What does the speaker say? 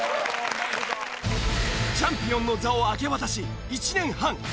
チャンピオンの座を明け渡し１年半。